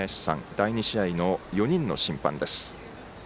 第２試合の４人の審判です。